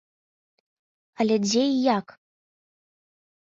Але дзе й як?